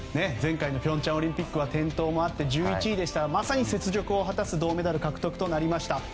前回の平昌オリンピックは転倒もあって１１位でしたがまさに雪辱を果たす銅メダル獲得となりました。